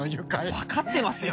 わかってますよ。